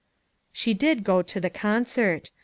" She did go to the concert.